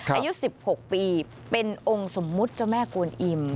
อายุ๑๖ปีเป็นองค์สมมุติเจ้าแม่กวนอิ่ม